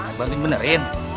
ya udah saya bantuin